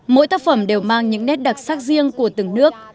mỗi tác phẩm đều mang những nét đặc sắc riêng của từng nước